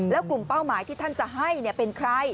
แล้วกลุ่มเป้าหมายที่ท่านจะให้เป็นใคร